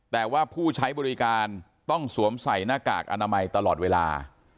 แต่ว่าผู้ใช้บริการต้องสวมใส่หน้ากากอนามัยตลอดเวลา